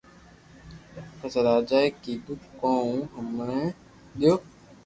پسي راجا اي ڪيدو ڪو ھون ھمڙي ديو